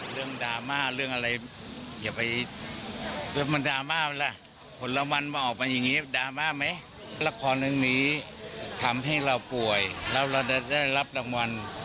เรื่องดราม่าเรื่องอะไรอย่าไปมันดราม่าคนละวันมาออกมาอย่างงี้ดราม่าไหมละครหนึ่งนี้ทำให้เราป่วยแล้วเราได้ได้รับรางวัล